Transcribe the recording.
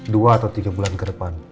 dua atau tiga bulan ke depan